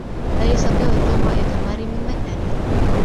لا يستطيع توم رؤية ماري من مكانه.